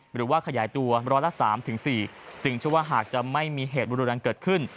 หรือว่าขยายตัวร้อยละ๓๔จึงเชื่อว่าหากจะไม่มีเหตุบุรุดังเกิดขึ้น